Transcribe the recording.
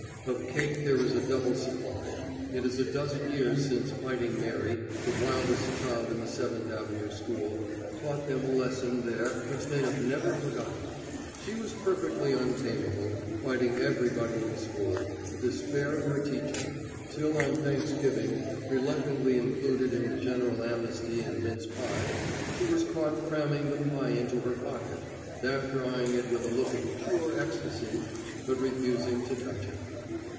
Of cake there is a double supply. It is a dozen years since "Fighting Mary," the wildest child in the Seventh Avenue school, taught them a lesson there which they have never forgotten. She was perfectly untamable, fighting everybody in school, the despair of her teacher, till on Thanksgiving, reluctantly included in the general amnesty and mince pie, she was caught cramming the pie into her pocket, after eying it with a look of pure ecstasy, but refusing to touch it.